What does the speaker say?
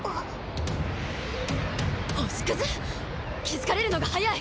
星屑⁉気付かれるのが早い！